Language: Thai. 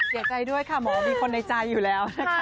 เสียใจด้วยค่ะหมอมีคนในใจอยู่แล้วนะคะ